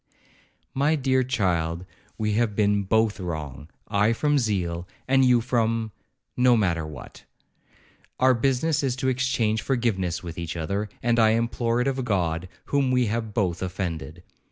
'My dear child, we have been both wrong, I from zeal, and you from—no matter what; our business is to exchange forgiveness with each other, and to implore it of God, whom we have both offended.